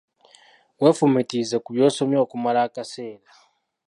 Weefumiitirize ku by'osomye okumala akaseera.